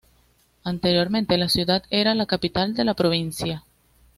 Anteriormente la ciudad era la capital de la provincia.